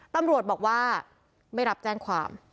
ตำรวจบอกว่าไม่รับแจ้งความ